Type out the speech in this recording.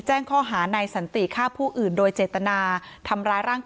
แจ้งข้อหาในนัยสันติฆาพผู้อื่นโดยเจตนา